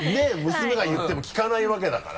娘が言っても聞かないわけだから。